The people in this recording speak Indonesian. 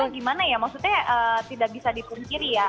karena gimana ya maksudnya tidak bisa dipungkiri ya